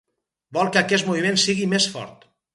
Vol que aquest moviment sigui més fort.